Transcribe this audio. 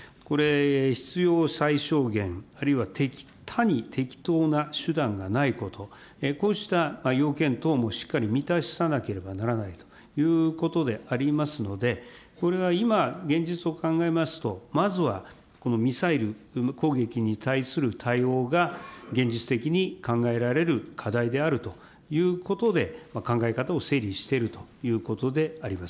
必要最小限、あるいは他に適当な手段がないこと、こうした要件等もしっかり満たさなければならないということでありますので、これは今、現実を考えますと、まずはこのミサイル攻撃に対する対応が現実的に考えられる課題であるということで、考え方を整理しているということであります。